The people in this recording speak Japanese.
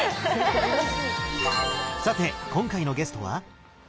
さて今回のゲストは？